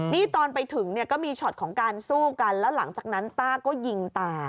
นี่ตอนไปถึงเนี่ยก็มีช็อตของการสู้กันแล้วหลังจากนั้นต้าก็ยิงตา